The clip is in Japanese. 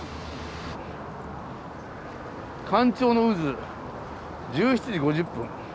干潮の渦１７時５０分。